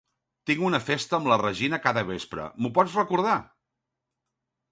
Tinc una festa amb la Regina cada vespre, m'ho pots recordar?